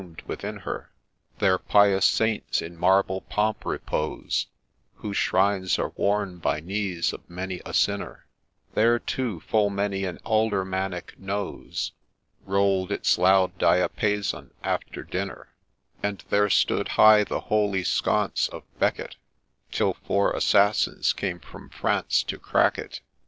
THE GHOST 55 There pious Saints, in marble pomp repose, Whose shrines are worn by knees of many a Sinner ; There, too, full many an Aldermanic nose Roll'd its loud diapason after dinner ; And there stood high the holy sconce of Becket, — Till four assassins came from France to crack it.